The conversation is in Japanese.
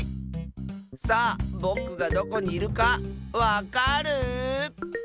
さあぼくがどこにいるかわかる？